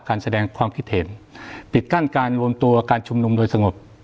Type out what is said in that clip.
การแสดงความคิดเห็นปิดกั้นการรวมตัวการชุมนุมโดยสงบ